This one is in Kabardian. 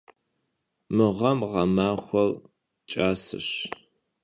Mı ğem ğemaxuer ç'aseş.